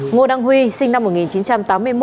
ngô đăng huy sinh năm một nghìn chín trăm tám mươi một